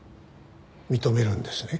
認めるんですね？